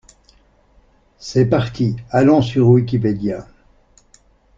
C'est parti, allons sur wikipedia.